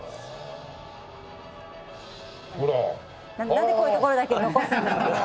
なんでこういうところだけ残すんですかね。